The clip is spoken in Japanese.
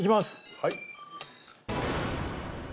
はい。